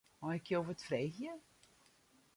Mei ik jo wat freegje?